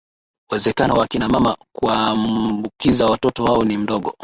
uwezekano wa akina mama kuwaambukiza watoto wao ni mdogo